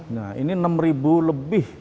nah ini enam ribu lebih